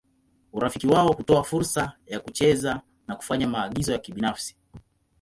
Urafiki wao hutoa fursa ya kucheza na kufanya maagizo ya kibinafsi.